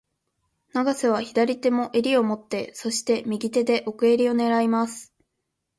永瀬は左手も襟を持って、そして、右手で奥襟を狙います。